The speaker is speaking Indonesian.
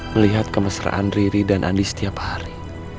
melihat kemesraan riri dan andi setiap hari